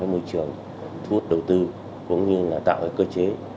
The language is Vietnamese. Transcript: để tạo môi trường thu hút đầu tư cũng như là tạo cơ chế